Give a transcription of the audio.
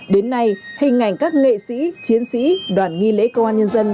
đến nay hình ảnh các nghệ sĩ chiến sĩ đoàn nghi lễ công an nhân dân